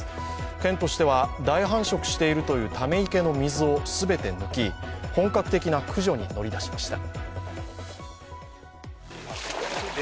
県としては、大繁殖しているというため池の水を全て抜き本格的な駆除に乗り出しました。